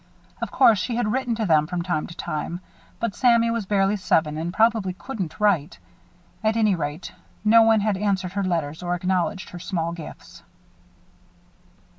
Of course she had written to them from time to time; but Sammy was barely seven and probably couldn't write. At any rate, no one had answered her letters or acknowledged her small gifts.